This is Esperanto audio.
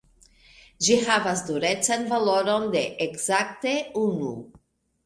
Ĝi havas durecan valoron de ekzakte unu.